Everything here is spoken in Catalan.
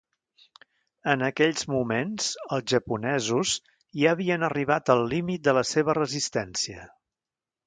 En aquells moments, els japonesos ja havien arribat al límit de la seva resistència.